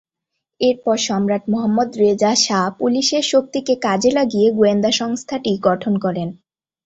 এরপর সম্রাট Mohammad Reza Shah পুলিশের শক্তিকে কাজে লাগিয়ে গোয়েন্দা সংস্থাটি গঠন করেন।